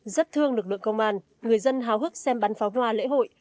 rất thương lực lượng công an người dân hào hức xem bắn pháo hoa lễ hội